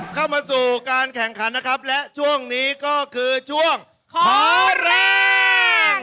เข้ามาสู่การแข่งขันนะครับและช่วงนี้ก็คือช่วงขอแรง